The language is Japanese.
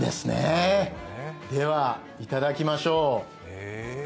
では、いただきましょう。